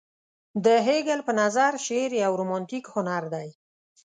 د هګل په نظر شعر يو رومانتيک هنر دى.